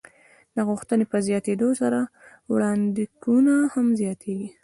د غوښتنې په زیاتېدو سره وړاندېکونه هم زیاتېږي.